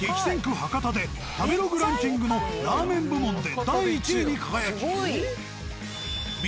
博多で食べログランキングのラーメン部門で第１位に輝き。